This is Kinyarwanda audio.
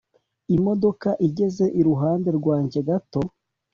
imodoka igeze iruhande rwanjye gato